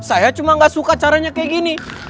saya cuma gak suka caranya kayak gini